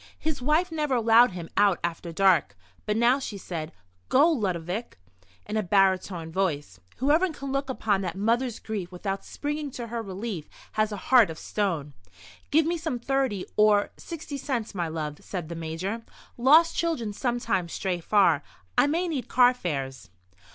His wife never allowed him out after dark. But now she said: "Go, Ludovic!" in a baritone voice. "Whoever can look upon that mother's grief without springing to her relief has a heart of stone." "Give me some thirty or—sixty cents, my love," said the Major. "Lost children sometimes stray far. I may need carfares."